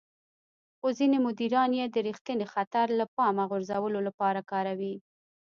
خو ځينې مديران يې د رېښتيني خطر له پامه غورځولو لپاره کاروي.